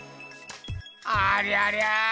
ありゃりゃ！